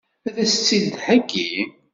Ad as-tt-id-theggi?